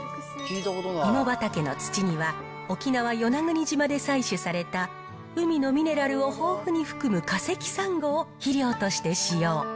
芋畑の土には、沖縄・与那国島で採取された海のミネラルを豊富に含む化石サンゴを肥料として使用。